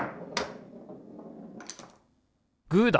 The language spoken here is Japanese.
グーだ！